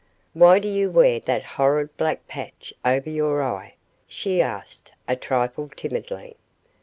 "Why do you wear that horrid black patch over your eye?" she asked, a trifle timidly.